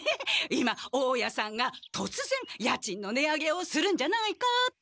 今大家さんがとつぜん家賃の値上げをするんじゃないかって。